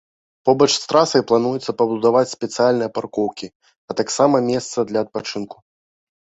Побач з трасай плануецца пабудаваць спецыяльныя паркоўкі, а таксама месцы для адпачынку.